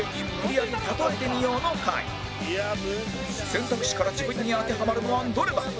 選択肢から自分に当てはまるのはどれだ？